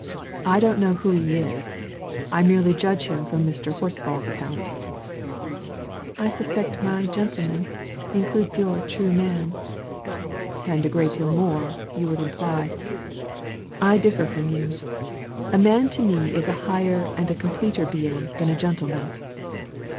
I don't know who he is; I merely judge him from Mr. Horsfall's account." "I suspect my 'gentleman' includes your 'true man.'" "And a great deal more, you would imply. I differ from you. A man is to me a higher and a completer being than a gentleman."